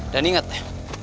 dan inget ya